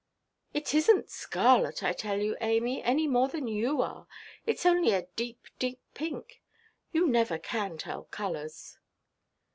"It isnʼt scarlet, I tell you, Amy, any more than you are. Itʼs only a deep, deep pink. You never can tell colours."